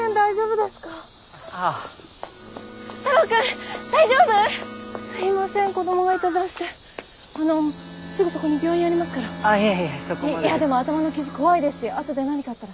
でも頭の傷恐いですし後で何かあったら。